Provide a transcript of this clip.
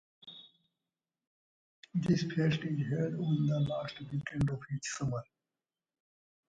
This fest is held on the last weekend of each summer.